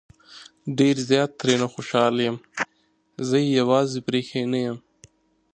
ډېر زيات ترې نه خوشحال يم زه يې يوازې پرېښی نه يم